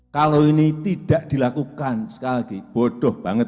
kalau ini tidak dilakukan sekali lagi bodoh banget